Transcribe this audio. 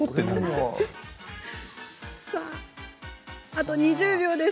あと２０秒後です。